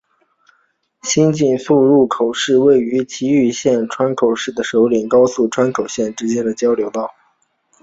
新井宿出入口是位于崎玉县川口市的首都高速川口线之交流道。